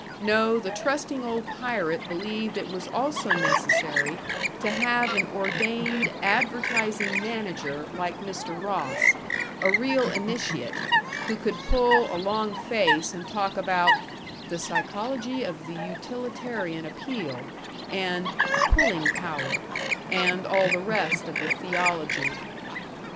No, the trusting old pirate believed it was also necessary to have an ordained advertising manager like Mr. Ross, a real initiate, who could pull a long face and talk about "the psychology of the utilitarian appeal" and "pulling power" and all the rest of the theology.